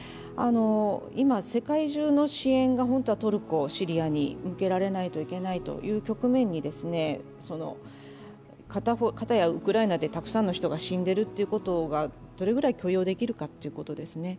今、世界中の支援が、もっとトルコ・シリアに向けられないといけないという局面にかたやウクライナでたくさんの人が死んでいることがどれくらい許容できるかということですね。